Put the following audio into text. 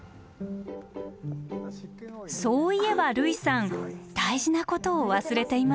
そういえば類さん大事なことを忘れていませんか？